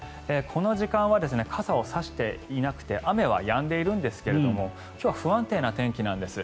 この時間は傘を差していなくて雨はやんでいるんですが今日は不安定な天気なんです。